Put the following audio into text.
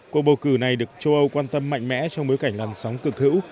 cuộc bầu cử này được châu âu quan tâm mạnh mẽ trong bối cảnh làn sóng cực hữu